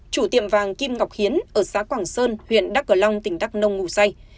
chủ tiệm vàng kim ngọc hiến ở xã quảng sơn huyện đắc cờ long tỉnh đắc nông ngủ say